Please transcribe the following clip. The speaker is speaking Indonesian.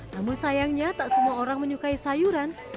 namun sayangnya tak semua orang menyukai sayuran